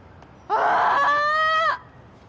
ああ。